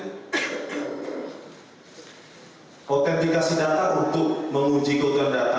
autentikasi data untuk menguji kutuan data